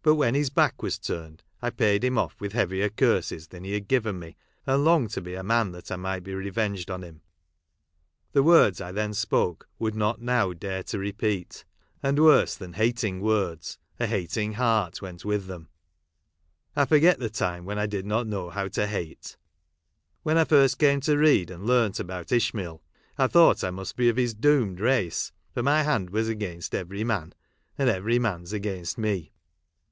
But when his back was turned I paid him off with heavier curses than he had given me, and longed to be a man that I might be revenged on him. The words I then spoke I would not now dare to repeat ; and worse than hating words, a hating heart went with them. I forget the time when I did not know how to hate. When I first came to read and learnt about Ishmael, I thought I must be of his doomed race, for my hand was against every man, and every man's against me.